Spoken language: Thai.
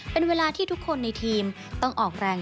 เป็นเวลาที่ทุกคนในทีมต้องออกแรง